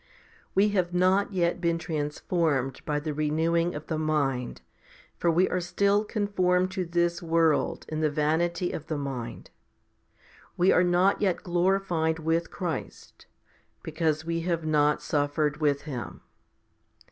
We have not yet been transformed by the renewing of the mind, for we are still conformed to this world 16 in the vanity of the mind 11 We are not yet glorified with Christ, because we have not suffered with Him.